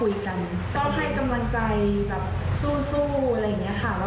อยากให้กำลังใจกับทุกคนที่ท้ออยู่นะคะ